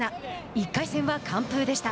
１回戦は完封でした。